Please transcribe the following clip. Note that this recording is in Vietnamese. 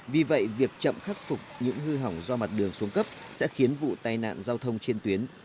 vì vậy việc chậm khắc phục những hư hỏng do mặt đường xuống cấp sẽ khiến vụ tai nạn giao thông trên tuyến